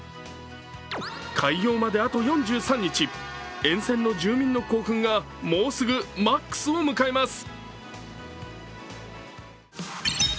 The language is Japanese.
開業まであと４３日、沿線の住民の興奮がもうすぐマックスを迎えます。